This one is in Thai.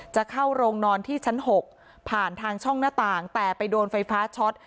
จะเข้าโรงนอนที่ชั้น๖ผ่านทางช่องหน้าต่างแต่ไปโดนไฟฟ้าช็อต